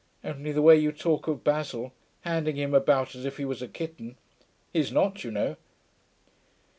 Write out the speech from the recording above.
Only the way you talk of Basil handing him about as if he was a kitten. He's not, you know.'